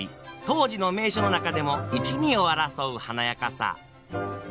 当時の名所の中でも一二を争う華やかさ。